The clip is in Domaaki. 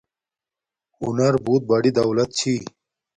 ہنر بوت بڑی دولت چھی